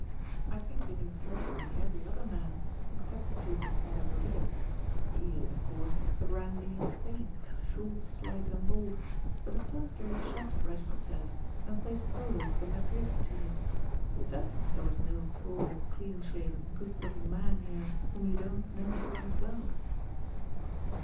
I think you knew personally every other man except the Duke of Valladolida. He is, of course, a grandee of Spain, short, slight and bald, but a first rate shot, Reginald says, and plays polo for the Madrid team. Certainly there was no tall, clean shaven, good looking man here whom you don't know quite well."